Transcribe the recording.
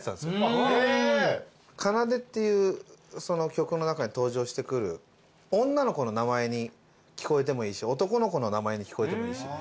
『奏』っていう曲の中に登場してくる女の子の名前に聞こえてもいいし男の子の名前に聞こえてもいいし。